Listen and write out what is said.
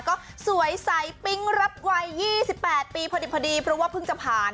ก็สวยใสปิ๊งรับวัย๒๘ปีพอดีเพราะว่าเพิ่งจะผ่าน